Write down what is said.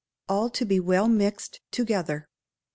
All to be well mixed together.